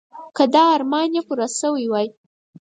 که دا ارمان یې پوره شوی وای.